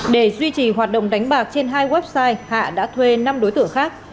để duy trì hoạt động đánh bạc trên hai website hạ đã thuê năm đối tượng khác